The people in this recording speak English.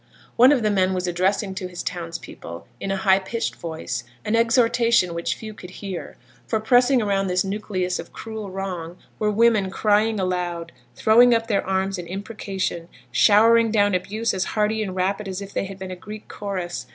One of the men was addressing to his townspeople, in a high pitched voice, an exhortation which few could hear, for, pressing around this nucleus of cruel wrong, were women crying aloud, throwing up their arms in imprecation, showering down abuse as hearty and rapid as if they had been a Greek chorus.